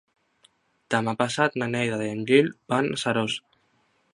Demà passat na Neida i en Gil van a Seròs.